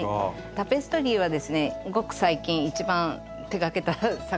タペストリーはですねごく最近一番手がけた作品なんですけども。